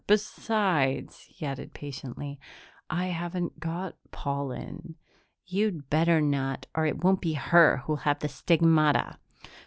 Besides," he added patiently, "I haven't got pollen." "You'd better not, or it won't be her who'll have the stigmata."